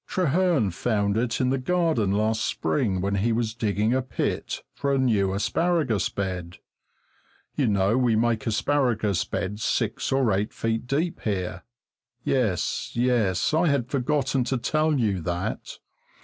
Trehearn found it in the garden last spring when he was digging a pit for a new asparagus bed. You know we make asparagus beds six or eight feet deep here. Yes, yes I had forgotten to tell you that.